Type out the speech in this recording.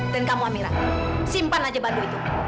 dan kamu amira simpan aja bandu itu